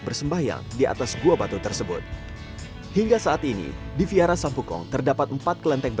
bersembahyang di atas gua batu tersebut hingga saat ini di viara sampukong terdapat empat kelenteng